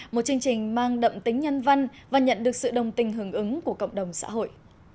một chương trình mang đậm tính nhân văn và nhận được sự đồng tình hưởng ứng của cộng đồng xã hội